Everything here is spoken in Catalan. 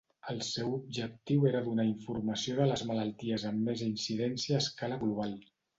El seu objectiu era donar informació de les malalties amb més incidència a escala global.